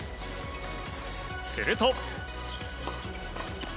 すると。